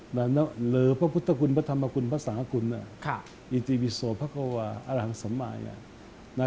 เหลือพระพุทธคุณพระธรรมคุณพระสากุลอิติวิโซพระควาอรังสัมมาย